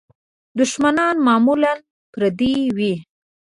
دوښمنان معمولاً پردي وي.